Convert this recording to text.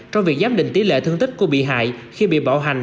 trong việc giám định tỷ lệ thương tích của bị hại khi bị bạo hành